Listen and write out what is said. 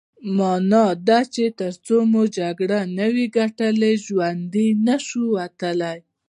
مانا دا چې ترڅو مو جګړه نه وي ګټلې ژوندي نه شو وتلای.